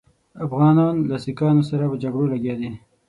افغانان له سیکهانو سره په جګړو لګیا دي.